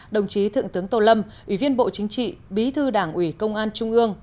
đồng chí thượng tướng tô lâm ủy viên bộ chính trị bí thư đảng ủy công an trung ương